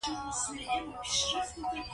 خو باران تر اوسه ورېده.